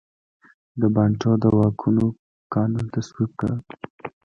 د بانټو د واکونو قانون تصویب کړ.